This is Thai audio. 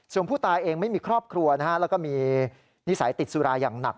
ส่วนผู้ตายเองไม่มีครอบครัวนะฮะแล้วก็มีนิสัยติดสุราอย่างหนัก